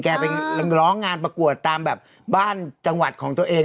ไปร้องงานประกวดตามแบบบ้านจังหวัดของตัวเอง